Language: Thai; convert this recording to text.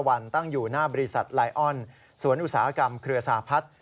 วันตั้งอยู่หน้าบริษัทไลออนสวนอุตสาหกรรมเครือสหพัฒน์